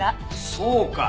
そうか！